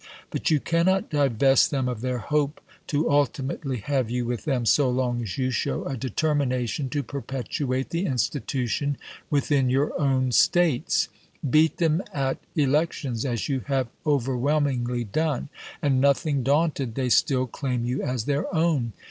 But you cannot divest them of their hope to ultimately have you with them so long as you show a determination to perpetuate the institution within your own States. Beat them at elections, as you have overwhelmingly done, and, nothing daunted, they still claim you as their own.